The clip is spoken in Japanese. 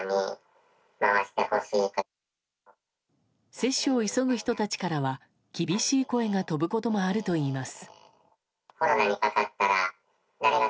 接種を急ぐ人たちからは厳しい声が飛ぶこともあるといいます。